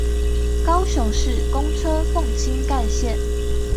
高雄市公車鳳青幹線